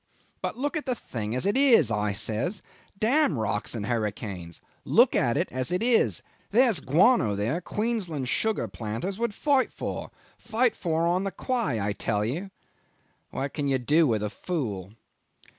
'But look at the thing as it is,' says I. 'Damn rocks and hurricanes. Look at it as it is. There's guano there Queensland sugar planters would fight for fight for on the quay, I tell you.' ... What can you do with a fool?